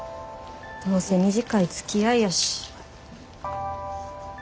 どうせ短いつきあいやし。